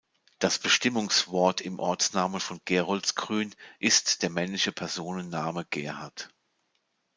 Das Bestimmungswort im Ortsnamen von Geroldsgrün ist der männliche Personenname Gerhart.